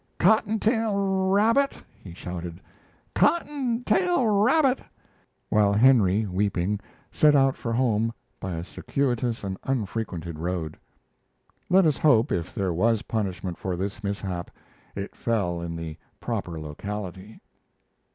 "Cotton tail rabbit!" he shouted. "Cotton tail rabbit!" while Henry, weeping, set out for home by a circuitous and unfrequented road. Let us hope, if there was punishment for this mishap, that it fell in the proper locality.